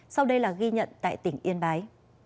sau đây là ghi nhận tại tỉnh yên bái